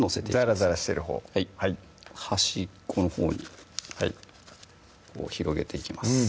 ザラザラしてるほうはい端っこのほうにこう広げていきます